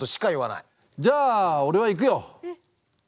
じゃあ俺は行くよ。